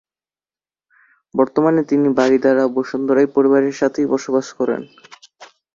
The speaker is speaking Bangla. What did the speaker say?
বর্তমানে তিনি বারিধারা, বসুন্ধরায় পরিবারের সাথেই বসবাস করেন।